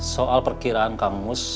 soal perkiraan kang mus